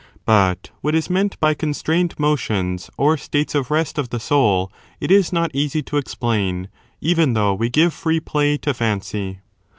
But what is meant by constrained motions or states of rest of the soul it is not easy to explain, even though we give free play to fancy.